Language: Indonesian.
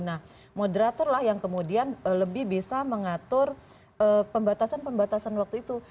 nah moderator lah yang kemudian lebih bisa mengatur pembatasan pembatasan waktu itu